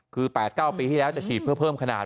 คือ๘๙ปีที่แล้วจะฉีดเพื่อเพิ่มขนาด